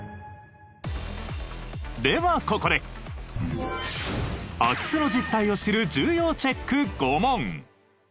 ではここで空き巣の実態を知る重要チェック５問。